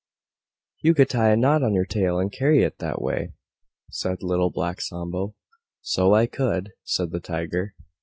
"You could tie a knot on your tail and carry it that way," said Little Black Sambo. "So I could," said the Tiger.